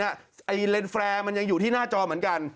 เลนส์แฟร์มันยังอยู่ที่หน้าจอเหมือนกัน